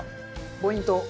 ポイント。